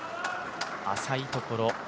浅いところ。